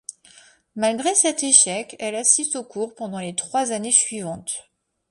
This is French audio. Malgré cet échec, elle assiste aux cours pendant les trois années suivantes.